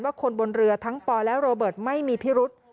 คนบนเรือทั้งปอและโรเบิร์ตไม่มีพิรุษ